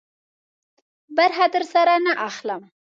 برخه درسره نه اخلم.